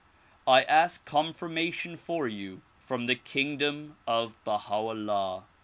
I ask confirma tion for you from the kingdom of Baha 'Ullah.